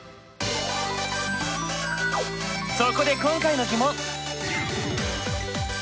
そこで今回の疑問！